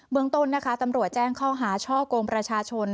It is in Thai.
เมืองต้นนะคะตำรวจแจ้งข้อหาช่อกงประชาชน